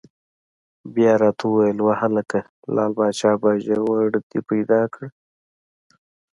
بیا یې را ته وویل: وهلکه لعل پاچا باجوړ دې پیدا کړ؟!